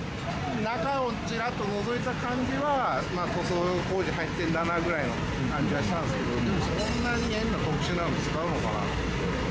中をちらっとのぞいた感じは、塗装工事入ってるんだなぐらいの感じはしたんですけど、でもそんなに変な特殊なの使うのかなって。